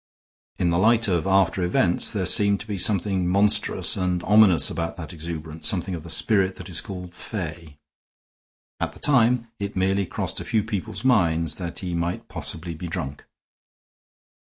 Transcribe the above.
In the light of after events there seemed to be something monstrous and ominous about that exuberance, something of the spirit that is called fey. At the time it merely crossed a few people's minds that he might possibly be drunk.